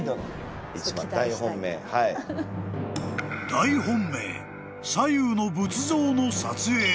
［大本命左右の仏像の撮影へ］